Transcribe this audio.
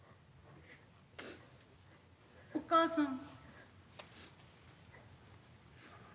お母さん。